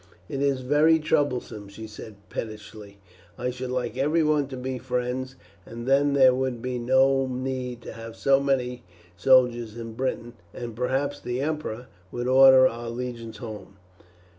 "It is very troublesome," she said pettishly. "I should like everyone to be friends, and then there would be no need to have so many soldiers in Britain, and perhaps the emperor would order our legions home.